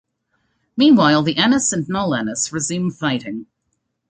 Meanwhile the Ennis and Nol-Ennis resume fighting.